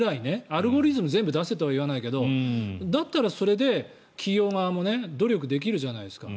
アルゴリズムを全部出せとは言わないけどだったらそれで企業側も努力できるじゃないですか。